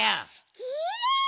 きれい！